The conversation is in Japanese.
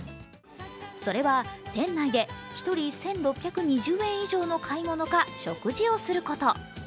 それは店内で１人１６２０円以上の買い物か食事をすること。